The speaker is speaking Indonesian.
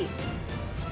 tim liputan cnn indonesia